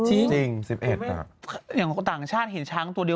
อาจารย์ของต่างชาติเห็นช้างตัวเดียว